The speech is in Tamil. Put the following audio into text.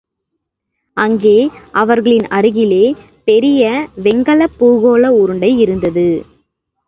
அங்கே அவர்களின் அருகிலே பெரிய வெண்கலப் பூகோள உருண்டை இருந்தது.